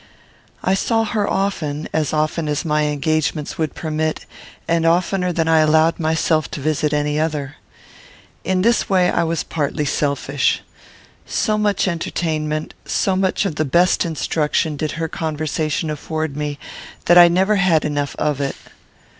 I saw her often, as often as my engagements would permit, and oftener than I allowed myself to visit any other. In this I was partly selfish. So much entertainment, so much of the best instruction, did her conversation afford me, that I never had enough of it.